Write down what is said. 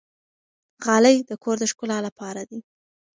غالۍ د کور د ښکلا لپاره دي.